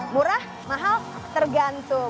murah mahal tergantung